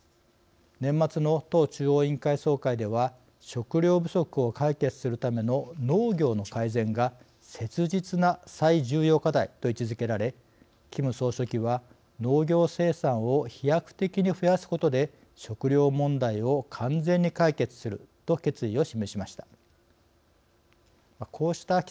年末の党中央委員会総会では食糧不足を解決するための農業の改善が切実な最重要課題と位置づけられ、キム総書記は「農業生産を飛躍的に増やすことで食糧問題を完全に解決する」と決意を示しました。